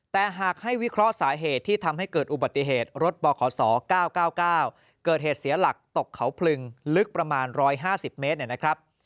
แต่หากให้วิเคราะห์สาเหตุที่ทำให้เกิดอุบัติเหตุรถบขศ๙๙๙เกิดเหตุเสียหลักตกเขาพลึงลึกประมาณ๑๕๐เมตรเนี่ยนะครับ